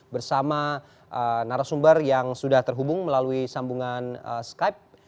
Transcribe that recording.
bersama narasumber yang sudah terhubung melalui sambungan skype